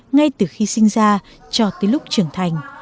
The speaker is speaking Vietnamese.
ngay từ khi sinh ra cho tới lúc trưởng thành